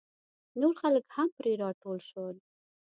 نور خلک هم پرې راټول شول.